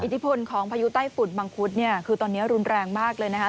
ทพลของพายุใต้ฝุ่นมังคุดเนี่ยคือตอนนี้รุนแรงมากเลยนะคะ